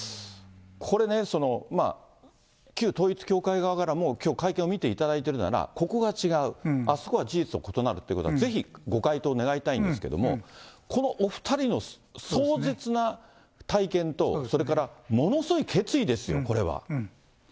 これね、旧統一教会側から、きょう会見を見ていただいているなら、ここが違う、あそこは事実と異なるっていうことは、ぜひご回答願いたいんですけれども、このお２人の壮絶な体験と、それからものすごい決意ですよ、これは。